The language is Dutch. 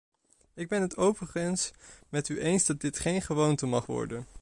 Ik ben het overigens met u eens dat dit geen gewoonte mag worden.